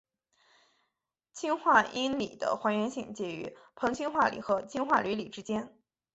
氢化铟锂的还原性介于硼氢化锂和氢化铝锂之间。